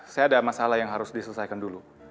saya ada masalah yang harus diselesaikan dulu